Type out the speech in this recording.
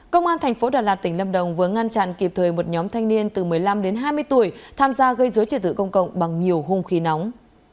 công an tp đà lạt tỉnh lâm đồng vừa ngăn chặn kịp thời một nhóm thanh niên từ một mươi năm đến hai mươi tuổi tham gia gây dối trị tử công cộng bằng nhiều hôn khi nóng